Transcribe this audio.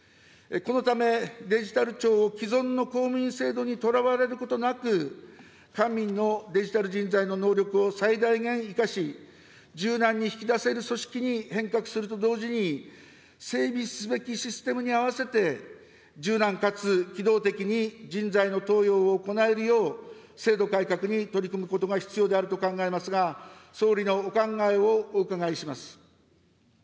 このため、デジタル庁を既存の公務員制度にとらわれることなく、官民のデジタル人材の能力を最大限生かし、柔軟に引き出せる組織に変革すると同時に、整備すべきシステムに合わせて、柔軟かつ機動的に人材の登用を行えるよう、制度改革に取り組むことが必要であると考えますが、総理のお考えをお伺いします。